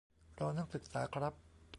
รอนักศึกษาครับ